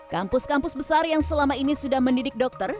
kampus kampus besar yang selama ini sudah mendidik dokter